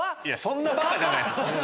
いやそんなバカじゃないです。